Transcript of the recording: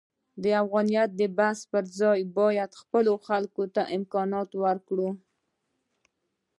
د افغانیت د بحث پرځای باید خپلو خلکو ته امکانات ورکړو.